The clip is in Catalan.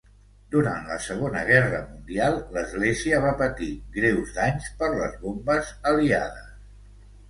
Durant la Segona Guerra Mundial l'església va patir greus danys per les bombes aliades.